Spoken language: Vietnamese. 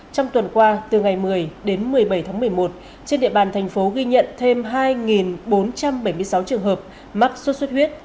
trong tuần qua từ ngày một mươi đến một mươi bảy tháng một mươi một trên địa bàn thành phố ghi nhận thêm hai bốn trăm bảy mươi sáu trường hợp mắc sốt xuất huyết